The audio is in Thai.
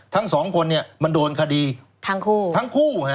ทั้งสองคนมันโดนคดีทั้งคู่